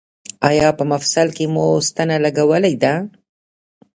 ایا په مفصل کې مو ستنه لګولې ده؟